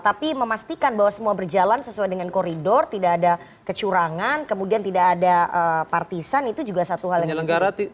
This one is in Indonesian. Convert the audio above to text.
tapi memastikan bahwa semua berjalan sesuai dengan koridor tidak ada kecurangan kemudian tidak ada partisan itu juga satu hal yang dilenggarakan